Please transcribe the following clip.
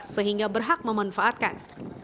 sehingga berhak memanfaatkan